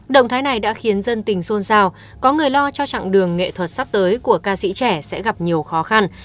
động thái này đã khiến dân tình xôn xao có người lo cho chặng đường nghệ thuật sắp tới của ca sĩ trẻ sẽ gặp nhiều khó khăn